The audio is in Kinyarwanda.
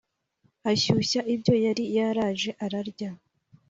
ashyushya ibyo yari yaraje ararya.